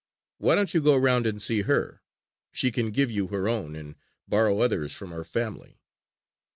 Why don't you go around and see her? She can give you her own and borrow others from her family."